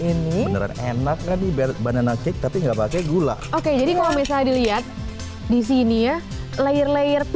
ini beneran enak tadi berat banana cake tapi enggak pakai gula oke jadi kalau misalnya dilihat di sini